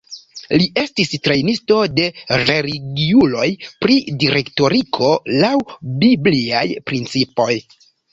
Li estis trejnisto de religiuloj pri direktoriko laŭ bibliaj principoj.